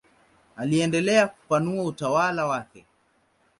Aliendelea kupanua utawala wake.